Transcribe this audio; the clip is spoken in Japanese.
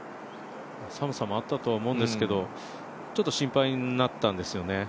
寒さもあったとは思うんですけどちょっと心配になったんですよね。